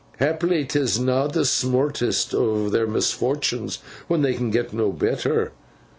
Haply 'tis na' the sma'est o' their misfortuns when they can get no better.